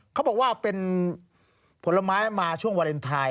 เขาบอกว่าเป็นผลไม้มาช่วงวาเลนไทย